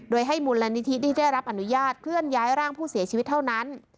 โดยให้มูลนิธิที่ได้รับอนุญาตเคลื่อนย้ายร่างผู้เสียชีวิตเท่านั้น